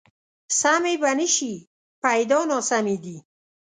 سمې به نه شي، پیدا ناسمې دي